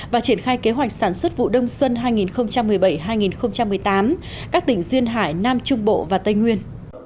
và triển khai kế hoạch sản xuất vụ đông xuân hai nghìn một mươi bảy hai nghìn một mươi tám các tỉnh duyên hải nam trung bộ và tây nguyên